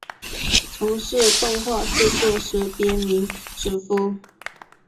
从事动画制作时别名哲夫。